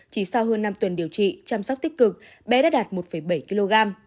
chỉ sau hơn năm tuần điều trị chăm sóc tích cực bé đã đạt một bảy kg